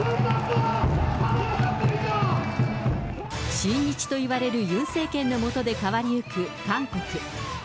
親日といわれるユン政権の下で変わりゆく韓国。